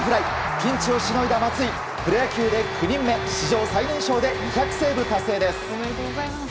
ピンチをしのいだ松井プロ野球で９人目史上最年少で２００セーブ達成です。